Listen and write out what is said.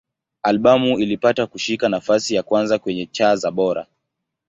Albamu ilipata kushika nafasi ya kwanza kwenye cha za Bora.